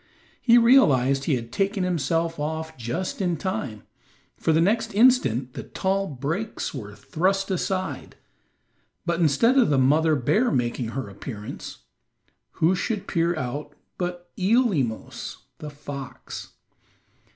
He realized that he had taken himself off just in time, for the next instant the tall brakes were thrust aside; but instead of the mother bear making her appearance, who should peer out but Eelemos, the fox.